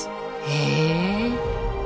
へえ！